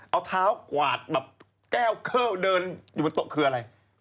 เอาเท้ากวาดแบบแก้วเข้าเดินอยู่บนโต๊ะคืออะไร